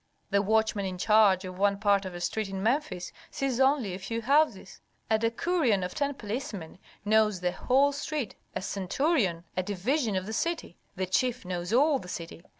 "The watchman in charge of one part of a street in Memphis sees only a few houses. A decurion of ten policemen knows the whole street, a centurion a division of the city, the chief knows all the city.